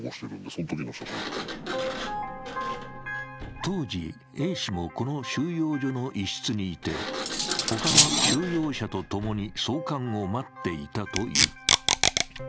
当時、Ａ氏もこの収容所の一室にいて他の収容者と共に送還を待っていたという。